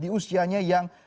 di usianya yang lebih tua